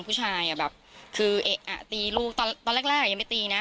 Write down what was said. ผู้ชายอ่ะแบบคือไออ่ะตีรู้ตอนตอนแรกแรกยังไม่ตีนะ